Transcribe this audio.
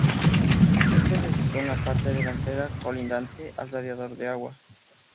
Este se situó en la parte delantera colindante al radiador de agua.